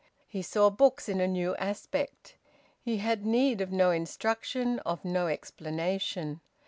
He saw books in a new aspect. He had need of no instruction, of no explanation.